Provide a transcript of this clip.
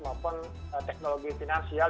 maupun teknologi finansial